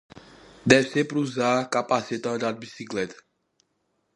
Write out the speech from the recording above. Deve-se sempre usar capacete ao andar de bicicleta.